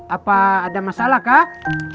apa ada masalah kak